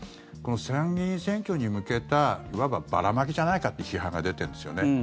この参議院選挙に向けたいわばばらまきじゃないかという批判が出てるんですよね。